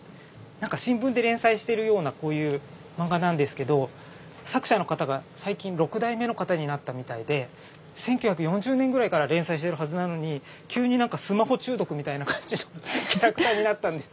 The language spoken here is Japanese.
新聞で連載してるようなこういう漫画なんですけど作者の方が最近６代目の方になったみたいで１９４０年ぐらいから連載してるはずなのに急にスマホ中毒みたいな感じのキャラクターになったんです。